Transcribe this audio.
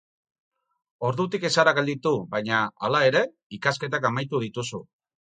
Ordutik ez zara gelditu, baina, hala ere, ikasketak amaitu dituzu.